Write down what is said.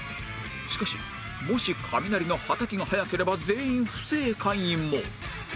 しかしもしカミナリのはたきが早ければ全員不正解も